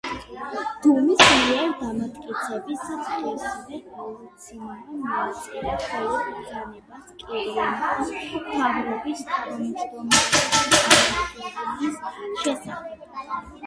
დუმის მიერ დამტკიცების დღესვე, ელცინმა მოაწერა ხელი ბრძანებას კირიენკოს მთავრობის თავმჯდომარედ დანიშვნის შესახებ.